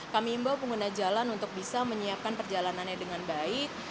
kami imbau pengguna jalan untuk bisa menyiapkan perjalanannya dengan baik